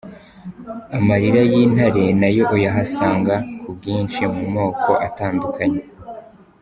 Amarira y'intare nayo uyahasanga ku bwinshi mu moko atandukanye.